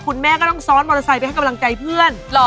คุณแม่ก็ต้องซ้อนมอเตอร์ไซค์ไปให้กำลังใจเพื่อน